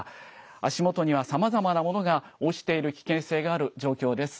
足元にはさまざまなものが落ちている危険性がある状況です。